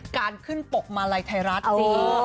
การขึ้นปกมาลัยไทยรัฐจริง